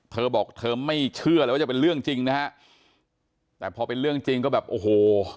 เธอบอกเธอไม่เชื่อเลยว่าจะเป็นเรื่องจริงนะฮะแต่พอเป็นเรื่องจริงก็แบบโอ้โห